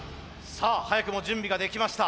さあ早くも準備ができました。